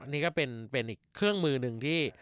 นี่ก็เป็นอีกเครื่องมือหนึ่งที่